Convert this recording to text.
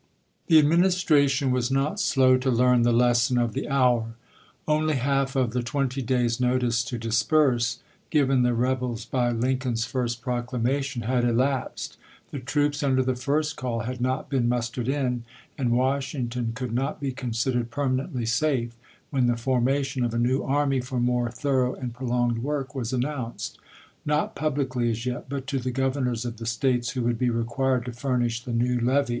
'T^HE Administration was not slow to learn tlie J lesson of the houi*. Only half of the twenty days' notice to disperse, given the rebels by Lin coln's first proclamation, had elapsed — the troops under the first call had not been mustered in — and Washington could not be considered perma nently safe, when the formation of a new army for more thorough and prolonged work was announced — not publicly as yet, but to the Governors of the States who would be required to furnish the new levy.